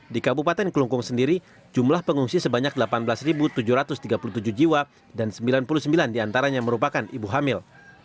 di kabupaten kelungkung sendiri jumlah pengungsi sebanyak delapan belas tujuh ratus tiga puluh tujuh jiwa dan sembilan puluh sembilan diantaranya merupakan ibu hamil